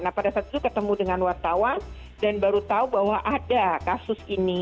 nah pada saat itu ketemu dengan wartawan dan baru tahu bahwa ada kasus ini